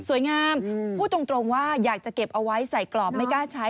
งามพูดตรงว่าอยากจะเก็บเอาไว้ใส่กรอบไม่กล้าใช้